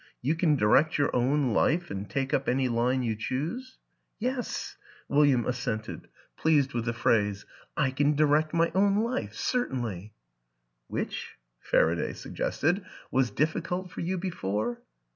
You can direct your own life and take up any line you choose ?"" Yes," William assented, pleased with the WILLIAM AN ENGLISHMAN 9 phrase; "I can direct my own life certainly." " Which," Faraday suggested, " was difficult for you before?